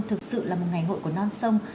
thực sự là một ngày hội của non sông